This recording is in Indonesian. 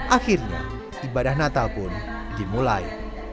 akhirnya ibadah natal pun dimulai